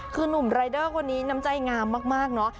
คือหนุ่มรายเดอร์คนนี้น้ำใจงามมากเนอะ